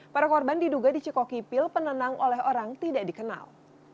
para korban diduga dicekoki pil penenang oleh orang tidak dikenal